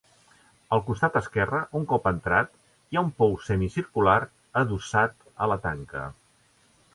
Al costat esquerre, un cop entrat, hi ha un pou semicircular adossat a la tanca.